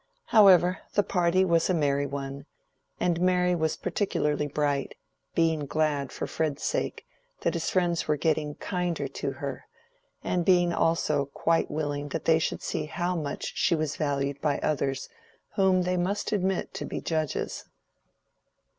However, the party was a merry one, and Mary was particularly bright; being glad, for Fred's sake, that his friends were getting kinder to her, and being also quite willing that they should see how much she was valued by others whom they must admit to be judges.